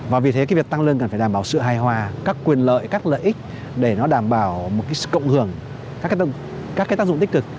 và vì thế cái việc tăng lên cần phải đảm bảo sự hài hòa các quyền lợi các lợi ích để nó đảm bảo một cái cộng hưởng các cái tác dụng tích cực